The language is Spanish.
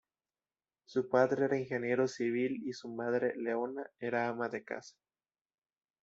Su padre era ingeniero civil y su madre, Leona, era ama de casa.